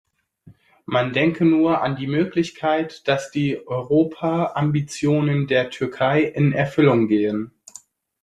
Man denke nur an die Möglichkeit, dass die Europaambitionen der Türkei in Erfüllung gehen.